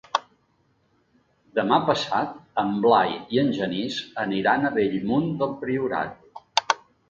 Demà passat en Blai i en Genís aniran a Bellmunt del Priorat.